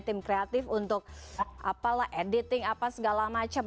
tim kreatif untuk editing apa segala macam